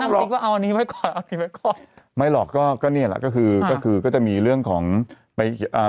ส่วนพึ่งครับตอนแรกบอกเจ็ดสิบไล่อืมทีเนี้ยครับทางฝั่งของท่านละลักษณ์